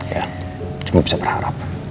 yaa cuma bisa berharap